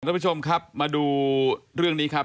ท่านผู้ชมครับมาดูเรื่องนี้ครับ